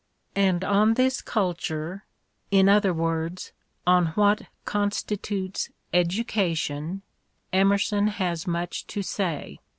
And on this culture — in other words, on what constitutes education — Emerson has much to say.